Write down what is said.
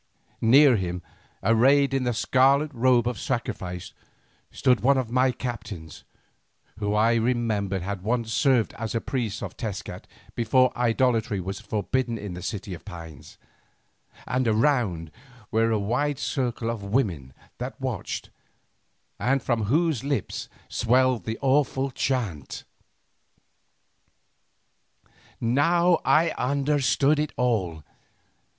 Near him, arrayed in the scarlet robe of sacrifice, stood one of my own captains, who I remembered had once served as a priest of Tezcat before idolatry was forbidden in the City of Pines, and around were a wide circle of women that watched, and from whose lips swelled the awful chant. Now I understood it all.